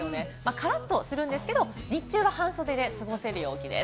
カラッとするんですけれども、日中は半袖で過ごせる陽気です。